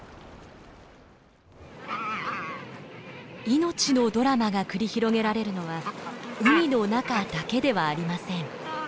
命のドラマが繰り広げられるのは海の中だけではありません。